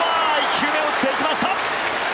１球で打っていきました！